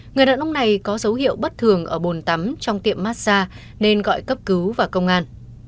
người đàn ông này có dấu hiệu bất thường ở bồn tắm trong tiệm massage nên gọi cấp cứu và công an